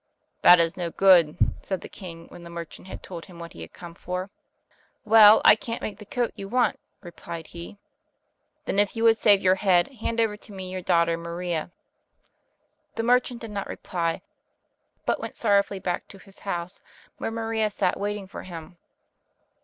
"That is no good," said the king, when the merchant had told him what he had come for. "Well, I can't make the coat you want," replied he. "Then if you would save your head, hand over to me your daughter Maria." The merchant did not reply, but went sorrowfully back to his house, where Maria sat waiting for him.